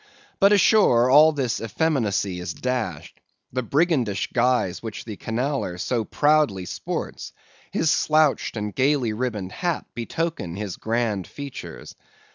But ashore, all this effeminacy is dashed. The brigandish guise which the Canaller so proudly sports; his slouched and gaily ribboned hat betoken his grand features.